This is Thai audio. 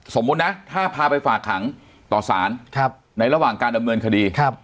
สมมุตินะถ้าพาไปฝากขังต่อสารในระหว่างการดำเนินคดี